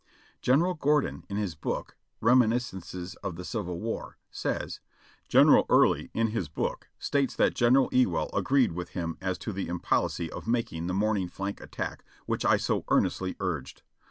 General Gordon, in his book ("Reminiscences of the Civil War") says : "General Early, in his book, states that General Ewell agreed with him as to the impolicy of making the morning flank attack which I so earnestly urged.